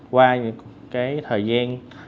qua cái thời gian